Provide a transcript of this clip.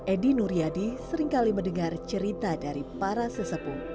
edi nuryadi seringkali mendengar cerita dari para sesepuh